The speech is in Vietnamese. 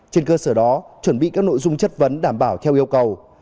trên cơ sở đó chuẩn bị các nội dung chất vấn đảm bảo theo yêu cầu